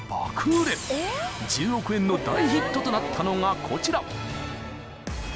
［１０億円の大ヒットとなったのがこちら］